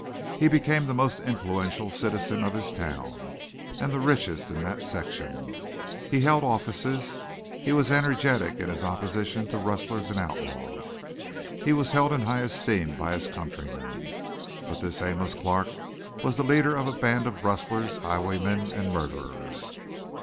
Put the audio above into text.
He became the most influential citizen of his town and the richest in that section. He held offices. He was energetic in his opposition to rustlers and outlaws. He was held in high esteem by his countrymen. But this Amos Clark was the leader of a band of rustlers, highwaymen, and murderers.